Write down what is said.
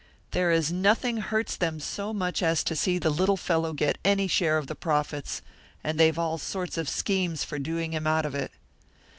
There is nothing hurts them so much as to see the little fellow get any share of the profits, and they've all sorts of schemes for doing him out of it.